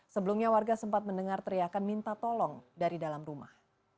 sebelumnya warga sempat mendengar teriakan minta tolong dari dalam rumah